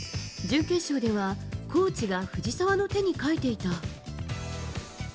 準決勝ではコーチが藤澤の手に書いていた。